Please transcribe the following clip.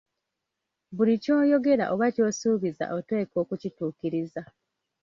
Buli ky'oyogera oba ky'osuubiza oteekwa okukituukiriza.